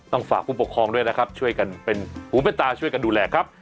ฝากผู้ปกครองด้วยนะครับช่วยกันเป็นหูเป็นตาช่วยกันดูแลครับ